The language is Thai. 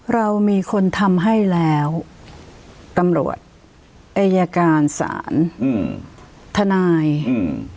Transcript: เรามีคนทำให้แล้วตำรวจอายการศาลอืมทนายอืม